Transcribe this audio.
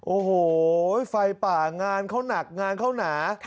โอ้โหไฟป่างานเขาหนักงานเขาหนา